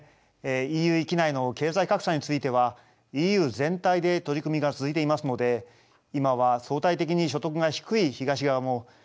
ＥＵ域内の経済格差についてはＥＵ全体で取り組みが続いていますので今は相対的に所得が低い東側もこれからの成長が期待できます。